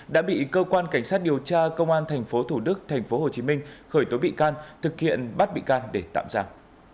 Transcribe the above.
đã bị cơ quan cảnh sát điều tra công an tp thủ đức tp hcm khởi tố bị can thực hiện bắt bị can để tạm giam